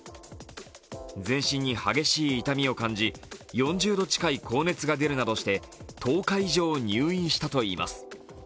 全身に激しい痛みを感じ４０度近い高熱が出るなどして１０日以上、入院したといいます。